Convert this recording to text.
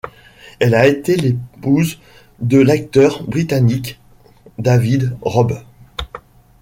Elle a été l'épouse de l'acteur britannique David Robb.